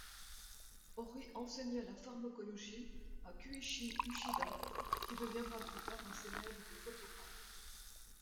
Horie enseigna la pharmacologie à Kuichi Uchida, qui deviendra plus tard un célèbre photographe.